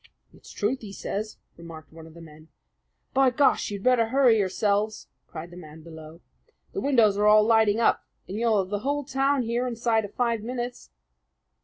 "It's truth he says," remarked one of the men. "By Gar! you'd best hurry yourselves!" cried the man below. "The windows are all lighting up, and you'll have the whole town here inside of five minutes."